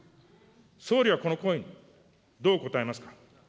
総理はこの声にどう答えますか。